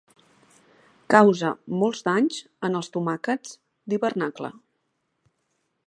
Causa molts danys en els tomàquets d'hivernacle.